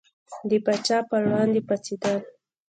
د پاچا پر وړاندې پاڅېدل.